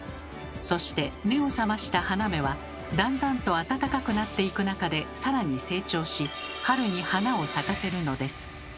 そして目を覚ました花芽はだんだんと暖かくなっていく中で更に成長し春に花を咲かせるのです。